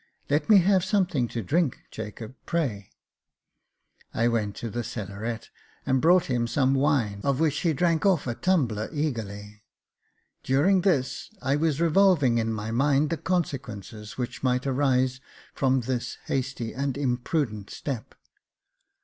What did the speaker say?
Let me have something to drink, Jacob, pray." I went to the cellaret and brought him some wine, of which he drank off a tumbler eagerly. During this, I was revolving in my mind the consequences which might arise from this hasty and imprudent step.